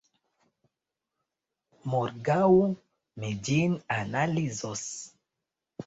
Morgaŭ mi ĝin analizos.